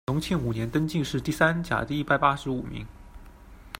隆庆五年，登进士第三甲第一百八十五名。